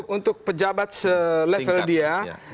ya untuk pejabat seletel dia